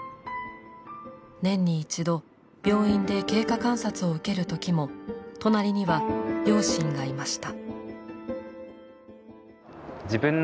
年に一度病院で経過観察を受けるときも隣には両親がいました。